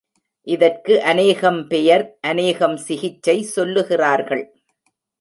இதற்கு அநேகம் பெயர் அநேகம் சிகிச்சை சொல்லுகிறார்கள்.